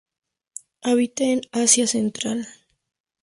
Habita en Asia Central.